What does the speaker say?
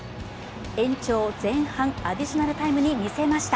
延長前半アディショナルタイムに見せました。